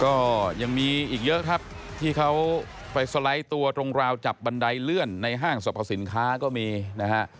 ก็ยังมีอีกเยอะครับที่เขาไปสไลด์ตัวตรงราวจับบันไดเลื่อนในห้างสรรพสินค้าก็มีนะฮะ